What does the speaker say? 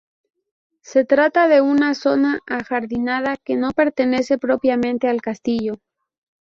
Se trata de una zona ajardinada que no pertenece propiamente al castillo.